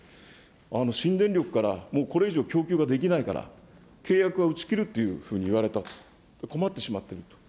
新電力からもうこれ以上、供給ができないから契約は打ち切るというふうに言われたと、それで困ってしまっていると。